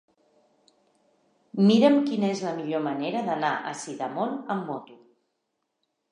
Mira'm quina és la millor manera d'anar a Sidamon amb moto.